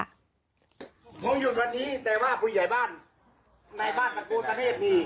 มองหยุดวันนี้แต่ว่าผู้ใหญ่บ้านในบ้านประโยชน์ประเภทนี้